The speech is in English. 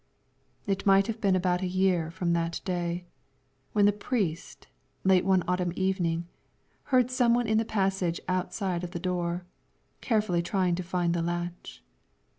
It might have been about a year from that day, when the priest, late one autumn evening, heard some one in the passage outside of the door, carefully trying to find the latch.